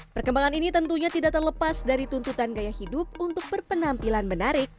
perkembangan ini tentunya tidak terlepas dari tuntutan gaya hidup untuk berpenampilan menarik